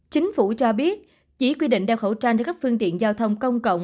chính phủ cho biết chỉ quy định đeo khẩu trang cho các phương tiện giao thông công cộng